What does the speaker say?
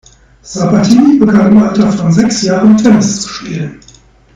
Sabatini begann im Alter von sechs Jahren Tennis zu spielen.